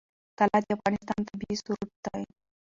طلا د افغانستان طبعي ثروت دی.